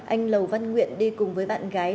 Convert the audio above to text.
anh lầu văn nguyện đi cùng với bạn gái